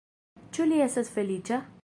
Ĉu li estas feliĉa?